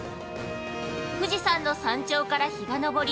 富士山の山頂から日が昇り